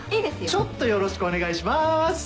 ちょっとよろしくお願いします！